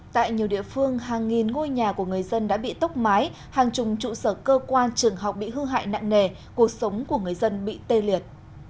tại nhiều địa phương hàng nghìn ngôi nhà của người dân đã bị tốc mái hàng chùng trụ sở cơ quan trường học bị hư hại nặng nề cuộc sống của người dân bị tê liệt